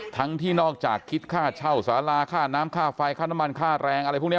ที่นอกจากคิดค่าเช่าสาราค่าน้ำค่าไฟค่าน้ำมันค่าแรงอะไรพวกนี้